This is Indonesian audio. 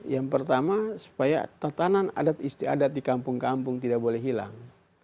yang pertama supaya tatanan adat istiadat di kampung kampung tidak boleh hilang